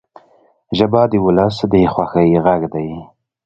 ژبه د ولس د خوښۍ غږ دی